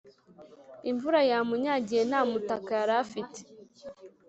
imvura yamunyagiye ntamutaka yarafite